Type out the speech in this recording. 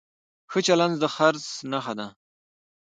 ښه چلند د خرڅ نښه ده.